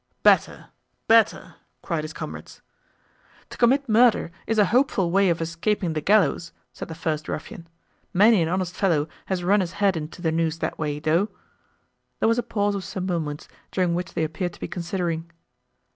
"Better, better," cried his comrades. "To commit murder, is a hopeful way of escaping the gallows!" said the first ruffian—"many an honest fellow has run his head into the noose that way, though." There was a pause of some moments, during which they appeared to be considering.